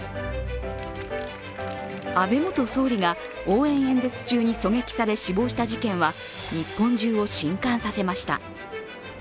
安倍元総理が応援演説中に狙撃され死亡した事件は日本中を震撼させました。